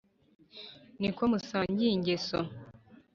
ni ko musangiye ingeso: